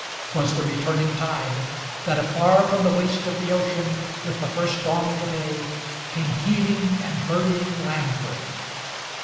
'Twas the returning tide, that afar from the waste of the ocean, With the first dawn of the day, came heaving and hurrying landward.